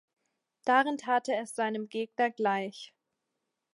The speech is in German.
Darin tat er es seinem Gegner gleich.